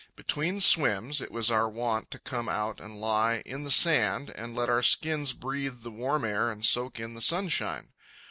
Between swims it was our wont to come out and lie in the sand and let our skins breathe the warm air and soak in the sunshine.